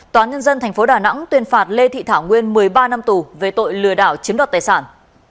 tòa nhân dân tp đà nẵng tuyên phạt lê thị thảo nguyên một mươi ba năm tù về tội lừa đảo chiếm đoạt tài sản